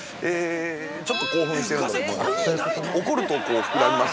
◆ちょっと興奮してるんだと思います。